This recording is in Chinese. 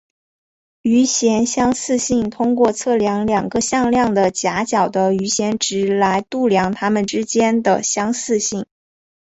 余弦相似性通过测量两个向量的夹角的余弦值来度量它们之间的相似性。